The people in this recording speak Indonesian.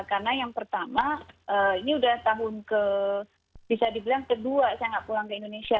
karena yang pertama ini sudah tahun ke bisa dibilang kedua saya tidak pulang ke indonesia